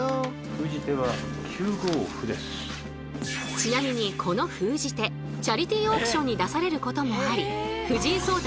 ちなみにこの封じ手チャリティーオークションに出されることもあり藤井聡太